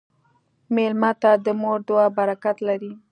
مېلمه ته د مور دعا برکت لري.